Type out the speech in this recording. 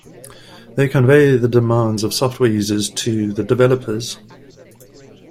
They convey the demands of software users to the developers.